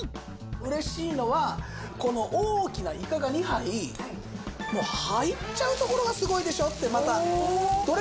嬉しいのはこの大きなイカが２杯入っちゃうところがすごいでしょってまた。